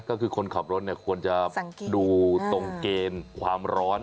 ก็คือคนขับรถเนี่ยควรจะดูตรงเกณฑ์ความร้อน